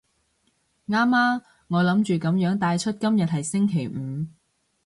啱啊，我諗住噉樣帶出今日係星期五